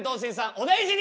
お大事に！